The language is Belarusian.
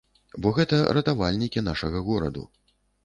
Бо гэта ратавальнікі нашага гораду.